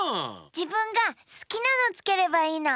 じぶんがすきなのつければいいの。